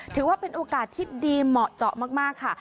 ถือว่าเป็นโอกาสที่ดีเหมาะเจาะมากค่ะ